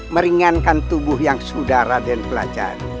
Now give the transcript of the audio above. meringankan tubuh yang sudah rade pelajari